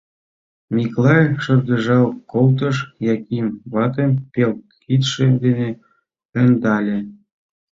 Миклай шыргыжал колтыш, Яким ватым пел кидше дене ӧндале.